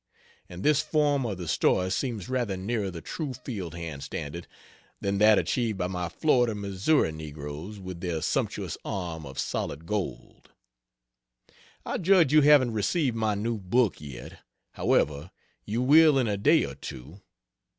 And this form of the story seems rather nearer the true field hand standard than that achieved by my Florida, Mo., negroes with their sumptuous arm of solid gold. I judge you haven't received my new book yet however, you will in a day or two.